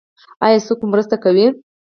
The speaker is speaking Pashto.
ایا څوک مو مرسته کوي؟